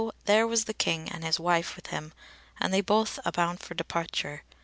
there was the King and his wife with him, and both they alboun for departure.